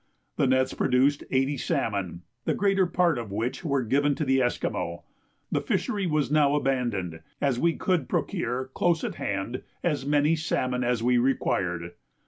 The nets produced eighty salmon, the greater part of which were given to the Esquimaux. The fishery was now abandoned, as we could procure close at hand as many salmon as we required.